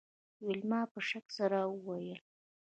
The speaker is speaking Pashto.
ویلما په شک سره وویل